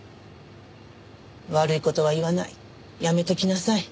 悪い事は言わないやめときなさい。